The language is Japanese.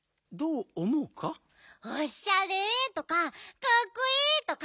「おっしゃれ」とか「かっこいい」とか。